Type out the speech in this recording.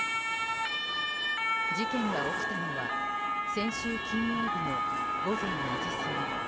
事件が起きたのは先週金曜日の午前２時過ぎ。